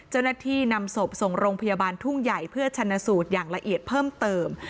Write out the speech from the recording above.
เจ้าหน้าที่นำศพส่งโรงพยาบาลทุ่งใหญ่เพื่อชนะสูตรอย่างละเอียดเพิ่มเติม